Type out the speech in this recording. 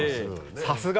さすが！